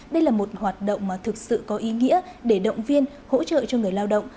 đây là một hoạt động thực sự có ý nghĩa để động viên hỗ trợ cho người lao động